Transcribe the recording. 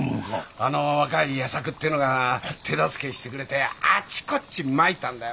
あの若い矢作ってのが手助けしてくれてあちこちまいたんだよ。